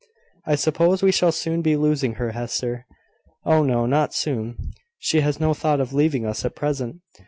I suppose we shall soon be losing her, Hester." "Oh, no; not soon. She has no thought of leaving us at present.